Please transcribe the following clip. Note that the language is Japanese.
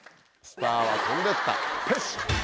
スターは飛んでったペシ！